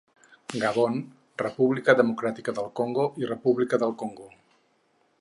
Gabon, República Democràtica del Congo i República del Congo.